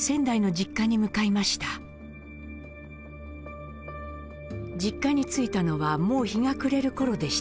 実家に着いたのはもう日が暮れるころでした。